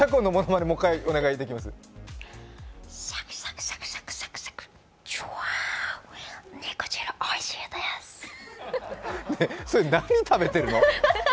ねえ、それ何食べてるの？